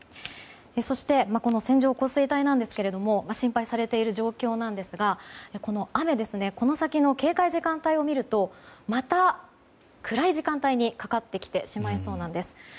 そしてこの線状降水帯なんですが心配されている状況なんですがこの雨この先の警戒時間帯を見るとまた、暗い時間帯にかかってきてしまいそうです。